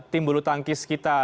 tim bulu tangkis kita